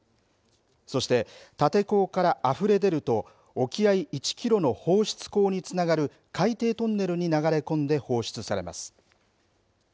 そして、立て坑からあふれ出ると沖合１キロの放出口につながる海底トンネルに流れ込んで放出されます